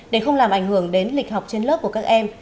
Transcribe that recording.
để không làm ảnh hưởng đến lịch học trên lớp của các em